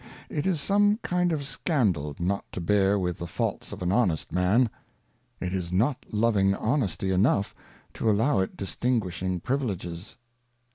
IT is some kind of Scandal not to bear with the Faults of an Candour. honest Man. It is not loving Honesty enough to allow it distinguishing Privileges.